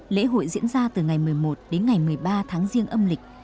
lễ hội diễn ra từ ngày một mươi một đến ngày một mươi ba tháng riêng âm lịch